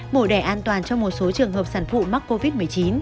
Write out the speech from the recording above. mổ đẻ an toàn cho một số trường hợp sản phụ mắc covid một mươi chín